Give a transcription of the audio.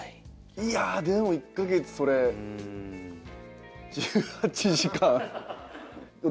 いやでも１カ月それ１８時間。